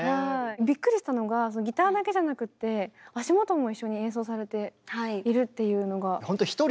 びっくりしたのがギターだけじゃなくて足元も一緒に演奏されているっていうのが。